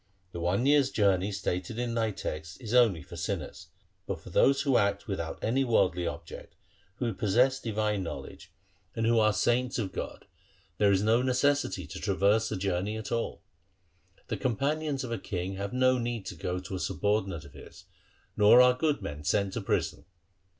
The one year's journey stated in thy text is only for sinners ; but for those who act without any worldly object, who possess divine knowledge, and who are saints 124 THE SIKH RELIGION of God, there is no necessity to traverse the journey at all. The companions of a king have no need to go to a subordinate of his, nor are good men sent to prison.